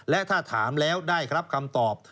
และถ้าถามแล้วได้รับคำตอบ